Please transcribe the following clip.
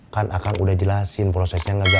kan akang udah jelasin prosesnya nggak gampang